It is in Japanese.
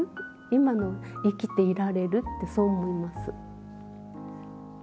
今も生きていられるってそう思います。